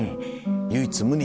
唯一無二。